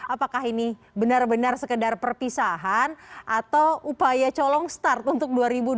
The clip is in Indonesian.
apakah ini benar benar sekedar perpisahan atau upaya colong start untuk dua ribu dua puluh